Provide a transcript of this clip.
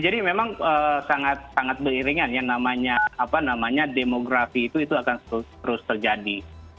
jadi memang sangat sangat beiringan demografi itu akan terus terjadi